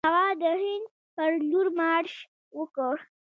هغه د هند پر لور مارش وکړ.